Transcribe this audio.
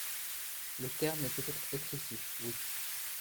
le terme est peut-être excessif, Oui